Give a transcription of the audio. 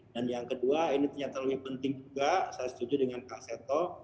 dan yang kedua ini ternyata lebih penting juga saya setuju dengan kak seto